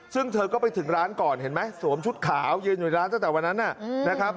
ซึ่งเธอก็ไปถึงร้านก่อนเห็นไหมสวมชุดขาวยืนอยู่ร้านตั้งแต่วันนั้นนะครับ